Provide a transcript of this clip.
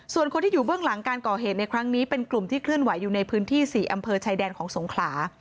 ส่วนคนที่อยู่เบื้องหลังการก่อเหตุในครั้งนี้เป็นกลุ่มที่เคลื่อนไหวอยู่ในพื้นที่๔อำเภอชายแดนของสงขลา